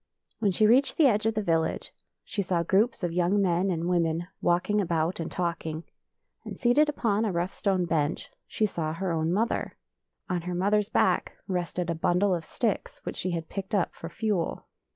When she reached the edge of the village she saw groups of young men and women walking about and talking; and seated upon a rough stone bench she saw her own mother. On her mother's back rested a bundle of sticks which she had picked up for fuel.